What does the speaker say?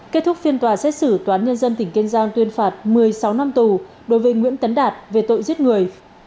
kết thúc phiên tòa xét xử toán nhân dân tỉnh kiên giang tuyên phạt một mươi sáu năm tù đối với nguyễn tấn đạt về tội giết người